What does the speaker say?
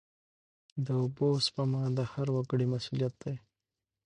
د اوبو سپما د هر وګړي مسوولیت دی.